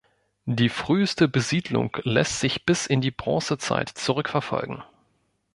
Die früheste Besiedlung lässt sich bis in die Bronzezeit zurückverfolgen.